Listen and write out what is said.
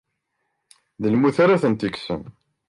D lmut ara ten-ikessen.